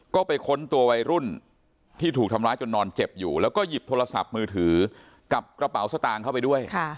ก็ไปค้นตัววัยรุ่นที่ถูกทำร้ายจนนอนเจ็บอยู่แล้วก็หยิบโทรศัพท์มือถือกับกระเป๋าสตางค์เข้าไปด้วย